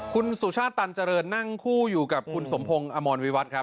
คุณสุชาติตันเจริญนั่งคู่อยู่กับคุณสมพงศ์อมรวิวัตรครับ